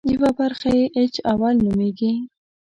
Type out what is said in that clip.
یوه برخه یې اېچ اول نومېږي.